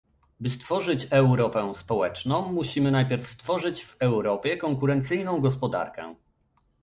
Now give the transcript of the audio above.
By stworzyć Europę społeczną, musimy najpierw stworzyć w Europie konkurencyjną gospodarkę